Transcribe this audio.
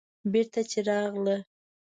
بېرته چې راغله.